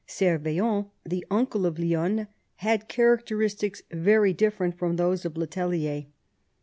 Servien, the uncle of Lionne, had characteristics very different from those of le Tellier.